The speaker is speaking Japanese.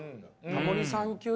タモリさん級。